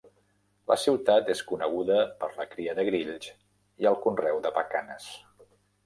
La ciutat és coneguda per la cria de grills i el conreu de pacanes.